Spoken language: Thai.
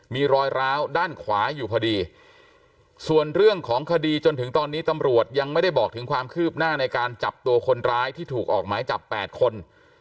มีรอยร้าวด้านขวาอยู่พอดีส่วนเรื่องของคดีจนถึงตอนนี้ตำรวจยังไม่ได้บอกถึงความคืบหน้าในการจับตัวคนร้ายที่ถูกออกหมายจับ๘คน